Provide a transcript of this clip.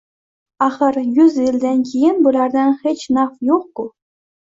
Axir yuz yildan keyin bulardan hech naf yo‘q-ku?